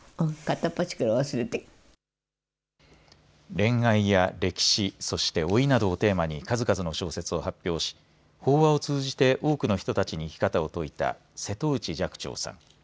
恋愛や歴史、そして老いなどをテーマに数々の小説を発表し法話を通じて多くの人たちに生き方を説いた瀬戸内寂聴さん。